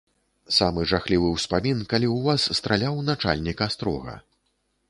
Самы жахлівы ўспамін, калі ў вас страляў начальнік астрога.